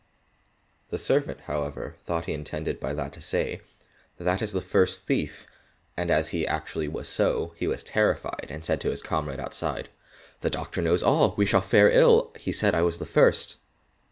The servant, however, thought he intended by that to say, "That is the first thief," and as he actually was so, he was terrified, and said to his comrade outside, "The doctor knows all: we shall fare ill, he said I was the first."